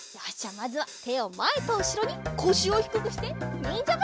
まずはてをまえとうしろにこしをひくくしてにんじゃばしりだ！